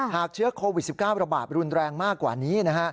เชื้อโควิด๑๙ระบาดรุนแรงมากกว่านี้